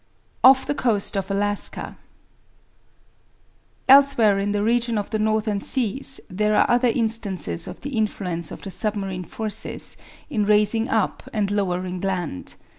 OFF THE COAST OF ALASKA Elsewhere in the region of the northern seas there are other instances of the influence of the submarine forces in raising up and lowering land.